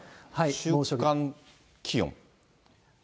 週間気温。